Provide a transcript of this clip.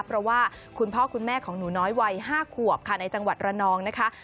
เพราะว่าคุณพ่อคุณแม่ของหนูน้อยวัย๕ขวบค่ะในจังหวัดระนองนะคะ